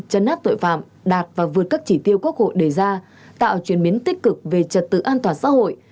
chấn áp tội phạm đạt và vượt các chỉ tiêu quốc hội đề ra tạo chuyển biến tích cực về trật tự an toàn xã hội